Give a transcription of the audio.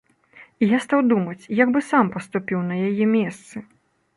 І я стаў думаць, як бы сам паступіў на яе месцы?